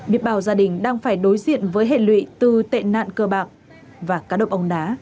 biết bào gia đình đang phải đối diện với hệ lụy từ tệ nạn cơ bạc và cá độ bóng đá